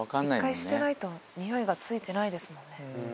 １回してないとニオイが付いてないですもんね。